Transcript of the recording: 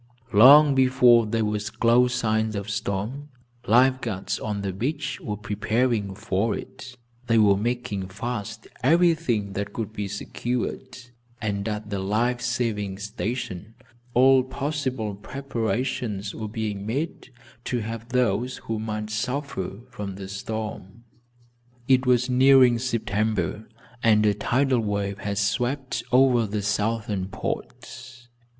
Long before there were close signs of storm, life guards, on the beach, were preparing for it. They were making fast everything that could be secured and at the life saving station all possible preparations were being made to help those who might suffer from the storm. It was nearing September and a tidal wave had swept over the southern ports.